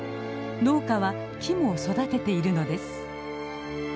農家は木も育てているのです。